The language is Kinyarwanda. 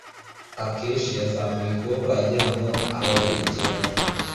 Takeshi yazamuye ukuboko kugira ngo abaze ikibazo.